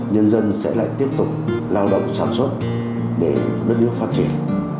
nhân dân sẽ lại tiếp tục lao động sản xuất để đất nước phát triển